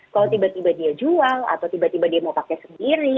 kalau tiba tiba dia jual atau tiba tiba dia mau pakai sendiri